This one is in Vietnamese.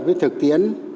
với thực tiến